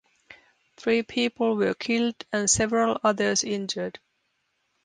Three people were killed and several others injured.